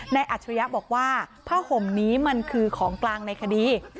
อัจฉริยะบอกว่าผ้าห่มนี้มันคือของกลางในคดี